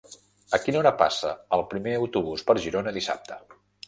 A quina hora passa el primer autobús per Girona dissabte?